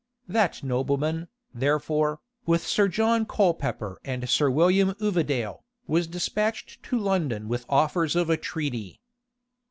That nobleman, therefore, with Sir John Colepeper and Sir William Uvedale, was despatched to London with offers of a treaty.